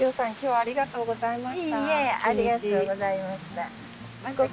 ありがとうございます。